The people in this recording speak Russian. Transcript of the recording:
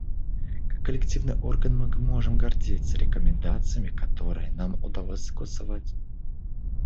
Как коллективный орган мы можем гордиться рекомендациями, которые нам удалось согласовать.